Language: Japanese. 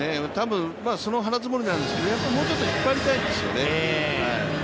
その腹づもりなんですけど、もうちょっと引っ張りたいですよね。